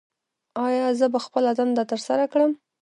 ایا زه به خپله دنده ترسره کړم؟